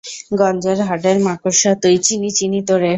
গঞ্জের হাডের মাকোড়সা তুই, চিনি চিনি তোরে।